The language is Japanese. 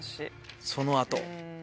そのあと。